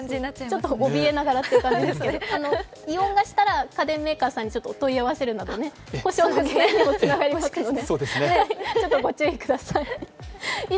ちょっとおびえながらという感じですけど異音がしたら家電メーカーさんに問い合わせるなど、故障の原因にもなりますので。